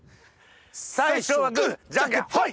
最初はグじゃんけんほい！